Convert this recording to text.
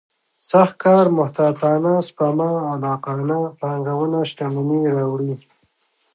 سخت کار محتاطانه سپما عاقلانه پانګونه شتمني راوړي.